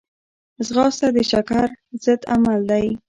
ځغاسته د شکر ضد عمل دی